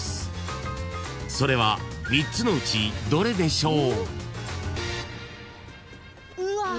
［それは３つのうちどれでしょう？］